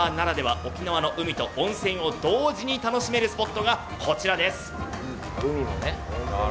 沖縄の海と温泉を同時に楽しめるスポットがこちらです。